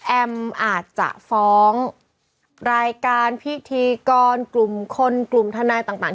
อาจจะฟ้องรายการพิธีกรกลุ่มคนกลุ่มทนายต่าง